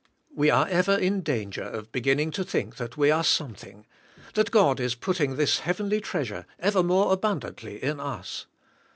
We are ever in danger of beginning to think that we are something; that God is putting this heavenly treasure, ever more abundantly, in us.